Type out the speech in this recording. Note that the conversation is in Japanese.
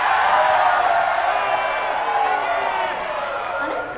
あれ？